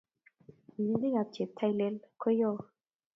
Rirenik ab cheptailel koyoo